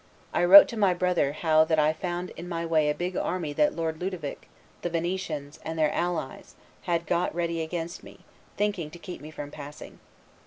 I wrote to my brother how that I found in my way a big army that Lord Ludovic, the Venetians, and their allies, had got ready against me, thinking to keep me from passing.